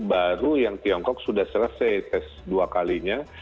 baru yang tiongkok sudah selesai tes dua kalinya